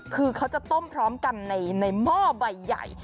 คือเขาจะต้มพร้อมกันในหม้อใบใหญ่